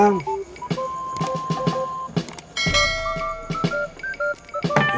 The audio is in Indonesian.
terima kasih pak ustadz rw